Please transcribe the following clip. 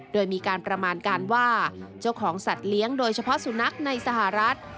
โดยมีการประมาณการว่าเจ้าของสัตว์เลี้ยงโดยเฉพาะสุนัขในสหรัฐ